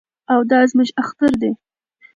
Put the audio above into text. او دا زموږ اختر دی.